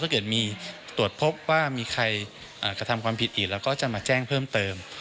เกิดมีตรวจพบว่ามีใครกระทำความผิดอีกเราก็จะมาแจ้งเพิ่มเติม